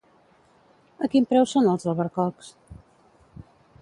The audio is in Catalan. A quin preu són els albercocs?